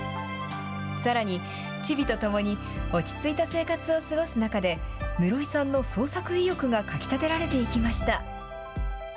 さらに、チビと共に落ち着いた生活を過ごす中で、室井さんの創作意欲がかき立てられていきました。